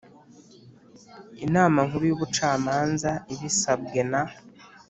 Inama Nkuru y Ubucamanza ibisabwe na